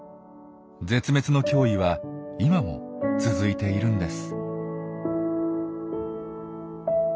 絶滅の脅威は今も続いているんです。